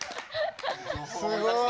すごい！